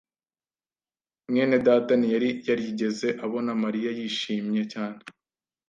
mwene data ntiyari yarigeze abona Mariya yishimye cyane.